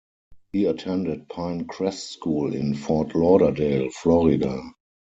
He attended Pine Crest School in Fort Lauderdale, Florida.